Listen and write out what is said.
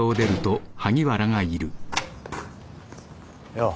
よう。